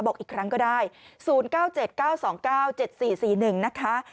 บอกอีกครั้งก็ได้๐๙๗๙๒๙๗๔๔๑นะคะ